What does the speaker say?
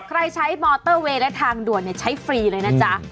ใครใช้มอเตอร์เวย์และทางด่วนใช้ฟรีเลยนะจ๊ะ